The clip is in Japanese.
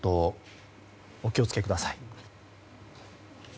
お気を付けください。